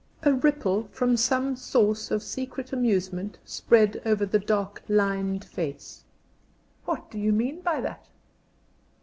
A ripple from some source of secret amusement spread over the dark lined face. "What do you mean by that?"